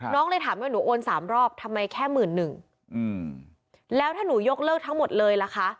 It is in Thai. น้องเลยถามว่าหนูโอน๓รอบทำไมแค่๑๑๐๐๐แล้วถ้าหนูยกเลิกทั้งหมดเลยล่ะคะ